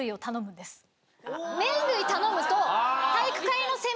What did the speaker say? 麺類頼むと。